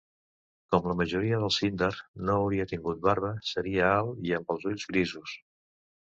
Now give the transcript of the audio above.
Com la majoria dels sindar, no hauria tingut barba, seria alt i amb els ulls grisos.